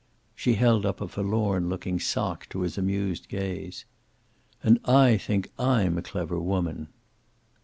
She held up a forlorn looking sock to his amused gaze. "And I think I'm a clever woman."